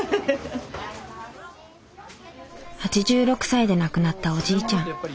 ８６歳で亡くなったおじいちゃん。